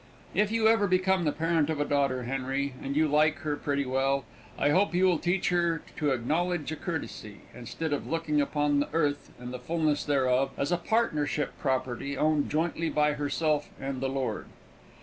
If you ever become the parent of a daughter, Henry, and you like her pretty well, I hope you will teach her to acknowledge a courtesy, instead of looking upon the earth and the fullness thereof as a partnership property, owned jointly by herself and the Lord.